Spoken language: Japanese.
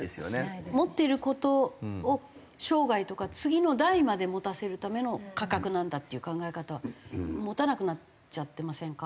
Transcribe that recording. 持ってる事を生涯とか次の代まで持たせるための価格なんだっていう考え方は持たなくなっちゃってませんか？